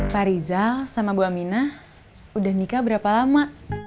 pak rizal sama bu aminah udah nikah berapa lama